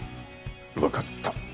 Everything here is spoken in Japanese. わかった。